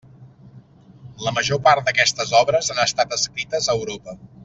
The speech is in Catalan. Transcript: La major part d'aquestes obres han estat escrites a Europa.